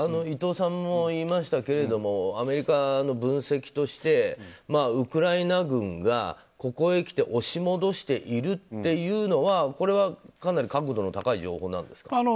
伊藤さんも言いましたけどアメリカの分析としてウクライナ軍がここへきて押し戻しているっていうのはこれは、かなり確度の高い情報なんですか。